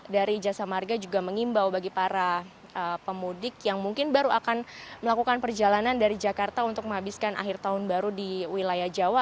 dari jasa marga juga mengimbau bagi para pemudik yang mungkin baru akan melakukan perjalanan dari jakarta untuk menghabiskan akhir tahun baru di wilayah jawa